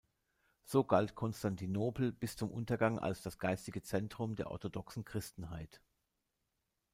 So galt Konstantinopel bis zum Untergang als das geistige Zentrum der orthodoxen Christenheit.